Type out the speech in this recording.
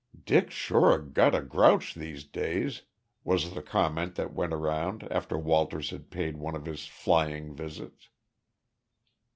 "Dick's sure got a grouch these days," was the comment that went around after Walters had paid one of his flying visits.